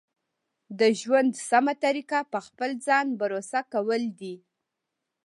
د ژوند سمه طریقه په خپل ځان بروسه کول دي.